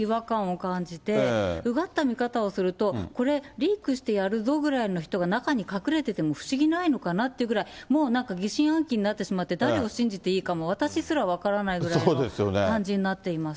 リークしてやるぞぐらいの人が中に隠れてても不思議ないのかなってくらい、もうなんか疑心暗鬼になってしまって、誰を信じていいかも、私すら分からないぐらいの感じになっています。